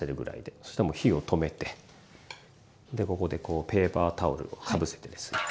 そしたらもう火を止めてでここでペーパータオルをかぶせてですね